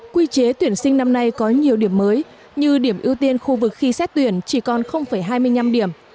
quy chế tuyển sinh năm nay có nhiều điểm mới như điểm ưu tiên khu vực khi xét tuyển chỉ còn hai mươi năm điểm